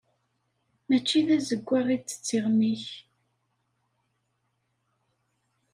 Mačči d azeggaɣ i d tiɣmi-k.